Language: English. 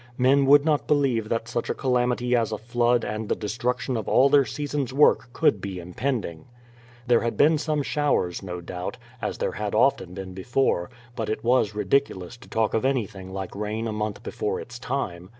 Men would not believe that such a calamity as a flood and the destruction of all their season's work could be impending. There had been some showers, no doubt, as there had often been before, but it was ridiculous to talk of anything like rain a month before its time.